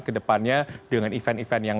ke depannya dengan event event yang